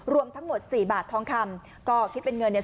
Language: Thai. รวมทั้งหมดสี่บาททองคำก็คิดเป็นเงินเนี่ย